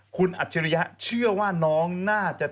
คุณอัจฉริยะเชื่อว่าน้องน่าจะ